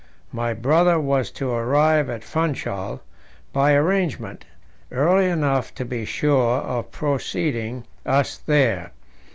My brother was to arrive at Funchal, by arrangement, early enough to be sure of preceding us there.